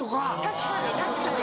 確かに確かに。